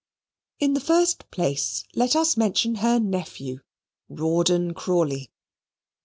In the first place, let us mention her nephew, Rawdon Crawley.